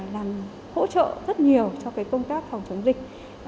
làm hỗ trợ rất nhiều cho công tác phòng chống dịch